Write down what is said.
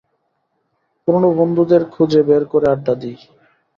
পুরনো বন্ধুদের খুঁজে বের করে আড্ডা দিই।